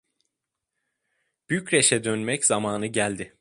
Bükreş'e dönmek zamanı geldi.